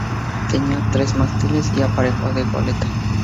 Tenía tres mástiles y aparejo de goleta.